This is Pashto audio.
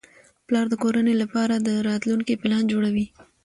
پلار د کورنۍ لپاره د راتلونکي پلان جوړوي